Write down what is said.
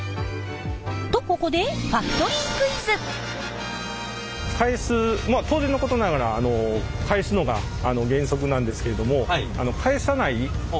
とここで当然のことながら返すのが原則なんですけれども返さないものもあります。